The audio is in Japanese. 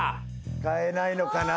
変えないのかなぁ？